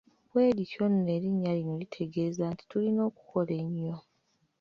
Bwe lityo nno erinnya lino litegeeza nti tulina okukola ennyo.